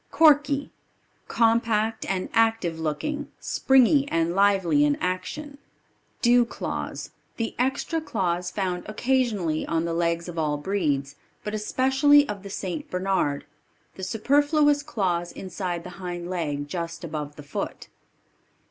Corky. Compact and active looking; springy and lively in action. Dew claws. The extra claws found occasionally on the legs of all breeds, but especially of the St. Bernard; the superfluous claws inside the hind leg just above the foot.